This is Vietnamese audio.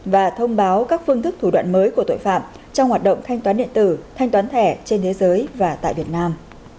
và thông báo các phương thức thủ đoạn mới của tội phạm trong hoạt động thanh toán điện tử thanh toán thẻ trên thế giới và tại việt nam